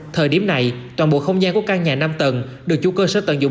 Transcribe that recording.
thời điểm này toàn bộ không gian của căn nhà năm tầng được chủ cơ sở tận dụng